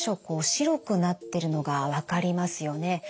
こう白くなってるのが分かりますよね？